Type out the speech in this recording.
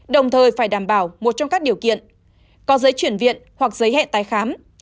đồng thời phải đảm bảo một trong các điều kiện có giấy chuyển viện hoặc giấy hẹn tái khám